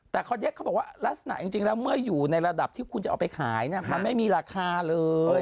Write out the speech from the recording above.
แต่คราวนี้เขาบอกว่าลักษณะจริงแล้วเมื่ออยู่ในระดับที่คุณจะเอาไปขายมันไม่มีราคาเลย